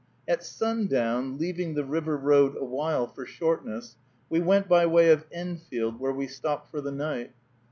At sundown, leaving the river road awhile for shortness, we went by way of Enfield, where we stopped for the night.